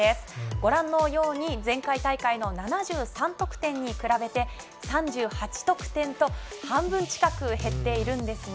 ご覧のように前回大会の７３得点に比べて３８得点と半分近く減っているんですね。